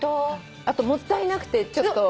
あともったいなくてちょっと。